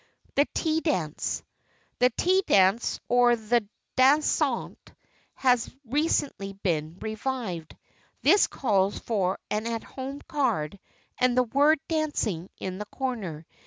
[Sidenote: THE TEA DANCE] The tea dance or thé dansant has recently been revived. This calls for an "At Home" card and the word "Dancing" in the corner.